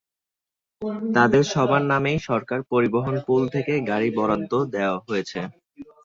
তাঁদের সবার নামেই সরকারের পরিবহন পুল থেকে গাড়ি বরাদ্দ দেওয়া হয়েছে।